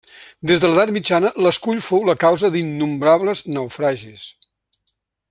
Des de l'edat mitjana l'escull fou la causa d'innombrables naufragis.